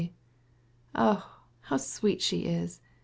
Ah, how sweet she is!